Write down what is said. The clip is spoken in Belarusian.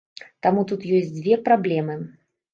Таму тут ёсць дзве праблемы.